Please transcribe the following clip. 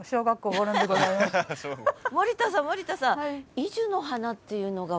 森田さん森田さん